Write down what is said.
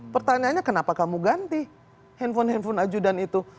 pertanyaannya kenapa kamu ganti handphone handphone ajudan itu